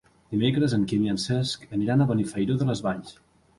Dimecres en Quim i en Cesc aniran a Benifairó de les Valls.